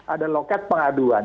ada loket pengaduan